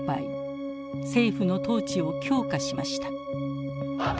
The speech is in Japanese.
政府の統治を強化しました。